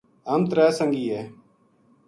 ہم ترے سنگی ہے